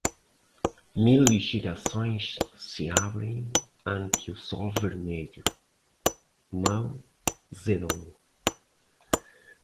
Mil girassóis se abrem ante o Sol Vermelho, Mao Zedong